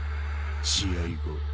試合後